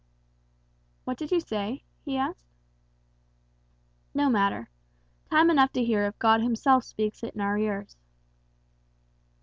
"What did you say?" he asked. "No matter. Time enough to hear if God himself speaks it in our ears."